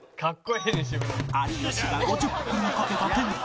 有吉が５０分かけたテントが